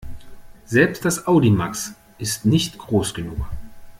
Selbst das Audimax ist nicht groß genug.